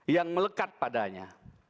yang melekat padanya